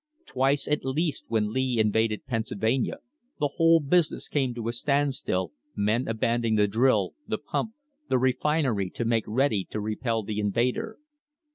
Twice at least when Lee invaded Pennsylvania the whole business came to a stand still, men abandoning the drill, the pump, the refinery to make ready to repel the invader.